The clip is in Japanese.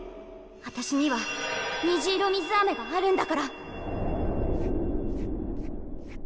あたしには虹色水あめがあるんだから。